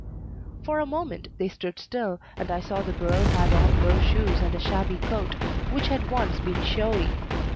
For a moment they stood still and I saw the girl had on low shoes and a shabby coat which had once been showy.